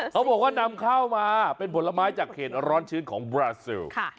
เขาบอกว่านำข้าวมาเป็นผลไม้จากเขตร้อนชื้นของบราซิล